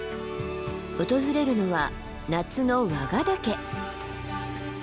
訪れるのは夏の和賀岳。